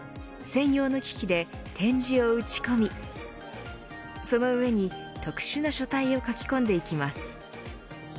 専用の機器で点字を打ち込みその上に特殊な書体を書き込んでいきます。